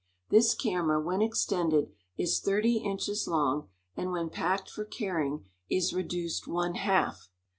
This camera, when extended, is thirty inches long, and when packed for carrying is reduced one half.